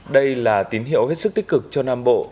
đây là tín hiệu hết sức tích cực cho nam bộ